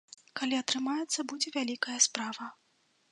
Калі атрымаецца, будзе вялікая справа.